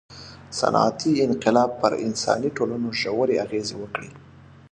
• صنعتي انقلاب پر انساني ټولنو ژورې اغېزې وکړې.